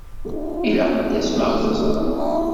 Ilaq ad tasem ad ɣ-teẓṛem!